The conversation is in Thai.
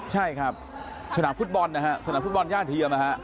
ใช่ครับสนามฟุตบอลนะฮะสนามฟุตบอลย่านเทียมนะฮะ